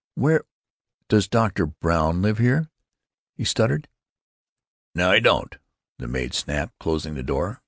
"W where——Does Dr. Brown live here?" he stuttered. "No, 'e don't," the maid snapped, closing the door.